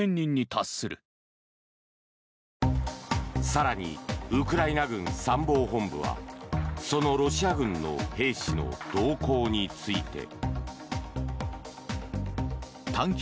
更にウクライナ軍参謀本部はそのロシア軍の兵士の動向について。